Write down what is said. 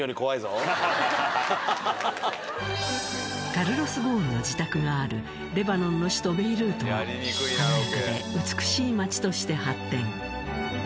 カルロス・ゴーンの自宅があるレバノンの首都ベイルートは華やかで美しい街として発展。